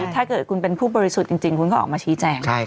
ถ้าเกิดคุณเป็นผู้บริสุทธิ์จริงคุณก็ออกมาชี้แจง